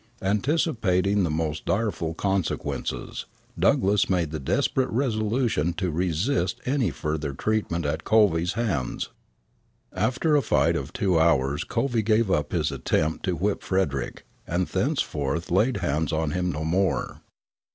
Anticipating the most direful consequences, Douglass made the desperate resolution to resist any further punishment at Covey's hands. After a fight of two hours Covey gave up his attempt to whip Frederick, and thenceforth laid hands on him no more.